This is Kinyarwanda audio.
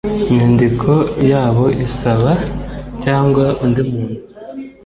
nyandiko yabo isaba cyangwa undi muntu